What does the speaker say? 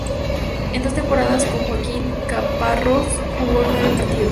En dos temporadas con Joaquín Caparrós jugó nueve partidos.